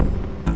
terima kasih bu